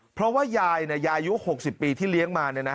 เพราะว่ายายุ๖๐ปีที่เลี้ยงมาเนี่ยนะ